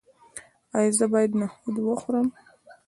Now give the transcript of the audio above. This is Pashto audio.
ایا زه باید نخود وخورم؟